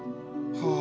はあ。